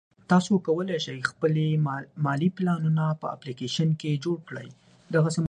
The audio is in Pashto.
تاسو کولای شئ خپل مالي پلانونه په اپلیکیشن کې جوړ کړئ.